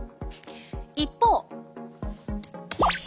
一方！